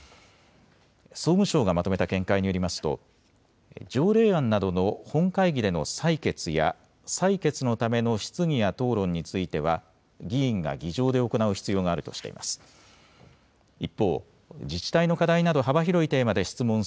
総務省がまとめた見解によりますと、条例案などの本会議での採決や採決のための質疑や討論については議員が議場で行う必要があるとしています。